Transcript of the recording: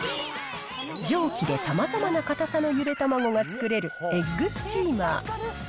蒸気でさまざまな固さのゆで卵が作れるエッグスチーマー。